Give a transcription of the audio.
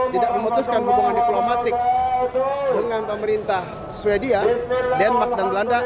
tidak memutuskan hubungan diplomatik dengan pemerintah sweden denmark dan belanda